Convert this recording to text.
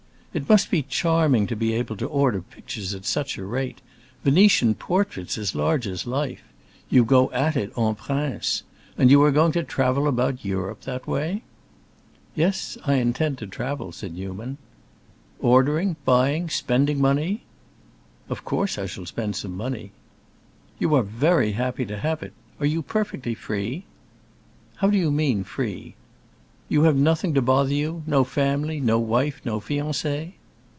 "It must be charming to be able to order pictures at such a rate. Venetian portraits, as large as life! You go at it en prince. And you are going to travel about Europe that way?" "Yes, I intend to travel," said Newman. "Ordering, buying, spending money?" "Of course I shall spend some money." "You are very happy to have it. And you are perfectly free?" "How do you mean, free?" "You have nothing to bother you—no family, no wife, no fiancée?"